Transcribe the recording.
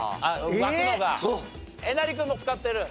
えなり君も使ってる？